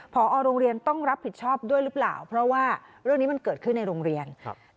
พอโรงเรียนต้องรับผิดชอบด้วยหรือเปล่าเพราะว่าเรื่องนี้มันเกิดขึ้นในโรงเรียน